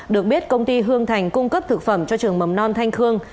được biết công ty hương thành cung cấp thực phẩm cho trường mầm non thanh khương